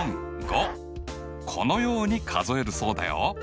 このように数えるそうだよ。